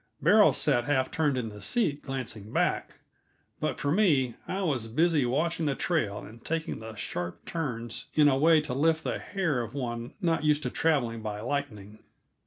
Beryl sat half turned in the seat, glancing back; but for me, I was busy watching the trail and taking the sharp turns in a way to lift the hair of one not used to traveling by lightning.